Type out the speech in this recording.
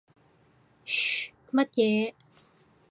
噓乜嘢？